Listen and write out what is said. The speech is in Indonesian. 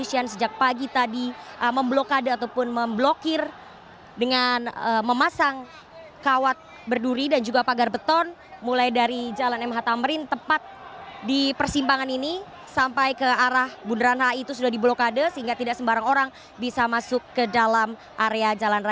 yang anda dengar saat ini sepertinya adalah ajakan untuk berjuang bersama kita untuk keadilan dan kebenaran saudara saudara